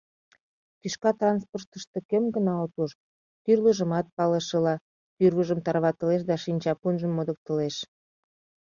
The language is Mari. Тӱшка транспортышто кӧм гына от уж... — тӱрлыжымат палышыла, тӱрвыжым тарватылеш да шинчапунжым модыктылеш.